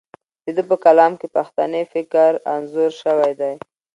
د ده په کلام کې پښتني فکر انځور شوی دی.